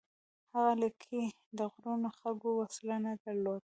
هغه لیکي: د غرونو خلکو وسله نه درلوده،